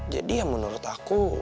jadi ya menurut aku